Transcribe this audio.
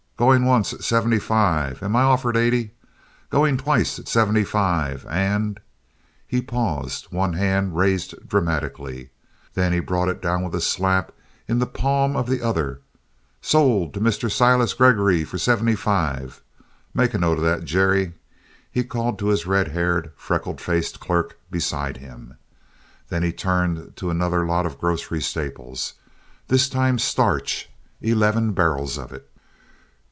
Going once at seventy five; am I offered eighty? Going twice at seventy five, and"—he paused, one hand raised dramatically. Then he brought it down with a slap in the palm of the other—"sold to Mr. Silas Gregory for seventy five. Make a note of that, Jerry," he called to his red haired, freckle faced clerk beside him. Then he turned to another lot of grocery staples—this time starch, eleven barrels of it.